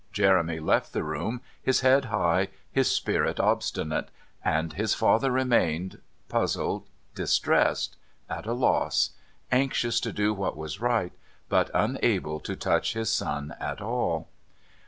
Jeremy left the room, his head high, his spirit obstinate; and his father remained, puzzled, distressed, at a loss, anxious to do what was right, but unable to touch his son at all.